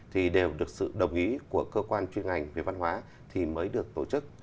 thì đều được sự đồng ý của cơ quan chuyên ngành về văn hóa thì mới được tổ chức